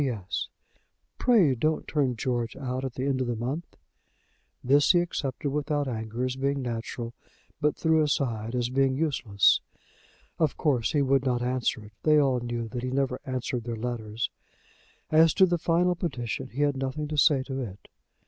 "P.S. Pray don't turn George out at the end of the month." This he accepted without anger as being natural, but threw aside as being useless. Of course he would not answer it. They all knew that he never answered their letters. As to the final petition he had nothing to say to it.